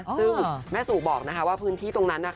ซึ่งแม่สู่บอกว่าพื้นที่ตรงนั้น